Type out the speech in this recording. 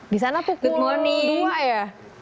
di sana pukul dua ya